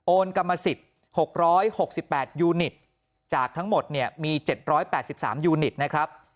กรรมสิทธิ์๖๖๘ยูนิตจากทั้งหมดเนี่ยมี๗๘๓ยูนิตนะครับ